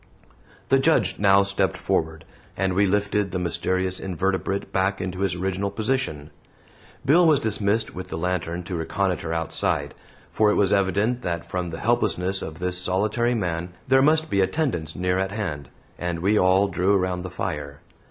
The Judge now stepped forward, and we lifted the mysterious invertebrate back into his original position. Bill was dismissed with the lantern to reconnoiter outside, for it was evident that from the helplessness of this solitary man there must be attendants near at hand, and we all drew around the fire.